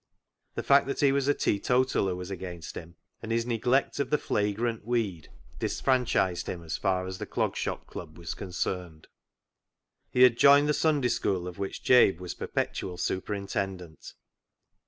The fact that he was a teetotaler was against him, and his neglect of the flagrant weed disfranchised him as far as the Clog Shop Club was concerned. He had joined the Sunday School, of which Jabe was perpetual superintendent.